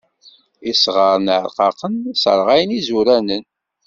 Isɣaṛen iṛqaqen sseṛɣayen izuranen.